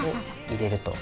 入れると。